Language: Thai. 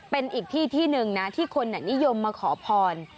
เป็นอีกที่ที่หนึ่งนะที่คนนิยมมาขอพร